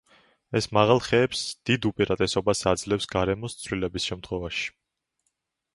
ეს მაღალ ხეებს აძლევს დიდ უპირატესობას გარემოს ცვლილების შემთხვევაში.